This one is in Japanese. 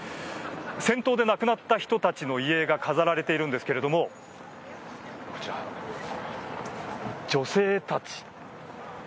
戦闘で亡くなった人たちの遺影が飾られているんですけれどもこちら、女性たち。